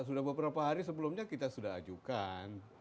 sudah beberapa hari sebelumnya kita sudah ajukan